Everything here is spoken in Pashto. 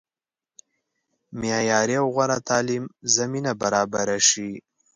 معیاري او غوره تعلیم زمینه برابره شي.